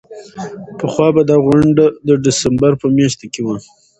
پخوا به دا غونډه د ډسمبر په میاشت کې وه.